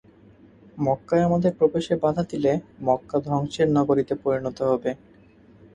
মক্কায় আমাদের প্রবেশে বাধা দিলে মক্কা ধ্বংসের নগরীতে পরিণত হবে।